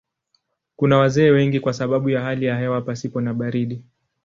Kuna wazee wengi kwa sababu ya hali ya hewa pasipo na baridi.